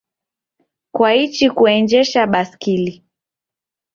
Kwaichi kuenjesha baskili?